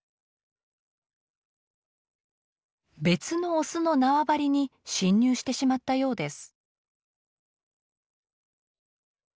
別のオスの縄張りに侵入してしまったようです。